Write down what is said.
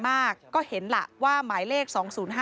มันมีโอกาสเกิดอุบัติเหตุได้นะครับ